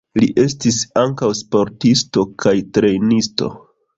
Li estis ankaŭ sportisto kaj trejnisto.